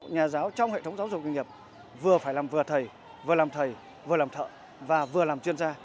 nhà giáo trong hệ thống giáo dục nghề nghiệp vừa phải làm vừa thầy vừa làm thầy vừa làm thợ và vừa làm chuyên gia